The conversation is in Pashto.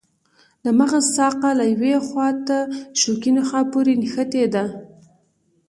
د مغز ساقه له یوې خواته شوکي نخاع پورې نښتې ده.